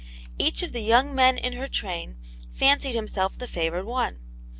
Each of the young men in her train fancied himself the favoured one.